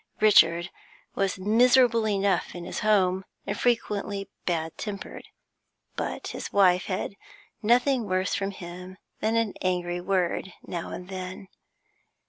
Richard was miserable enough in his home, and frequently bad tempered, but his wife had nothing worse from him than an angry word now and then.